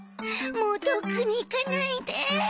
もう遠くに行かないで。